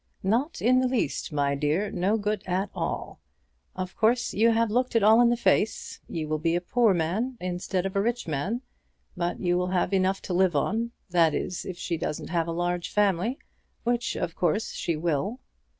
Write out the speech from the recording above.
"Not in the least, my dear; no good at all. Of course you have looked it all in the face. You will be a poor man instead of a rich man, but you will have enough to live on, that is if she doesn't have a large family; which of course she will."